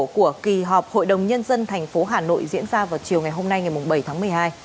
của kỳ họp hội đồng nhân dân thành phố hà nội diễn ra vào chiều ngày hôm nay ngày bảy tháng một mươi hai